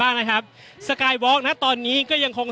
อย่างที่บอกไปว่าเรายังยึดในเรื่องของข้อ